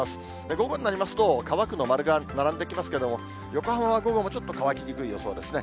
午後になりますと、乾くの〇が並んできますけれども、横浜は午後もちょっと乾きにくい予想ですね。